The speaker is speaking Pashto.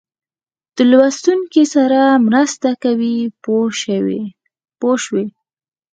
د لوستونکي سره مرسته کوي پوه شوې!.